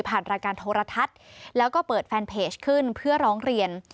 รายการโทรทัศน์แล้วก็เปิดแฟนเพจขึ้นเพื่อร้องเรียน